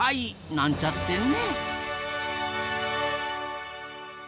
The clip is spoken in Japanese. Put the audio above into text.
なんちゃってね。